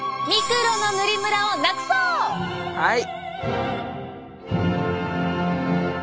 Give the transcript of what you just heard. はい。